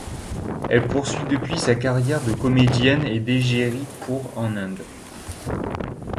Elle poursuit depuis sa carrière de comédienne et d'égérie pour en Inde.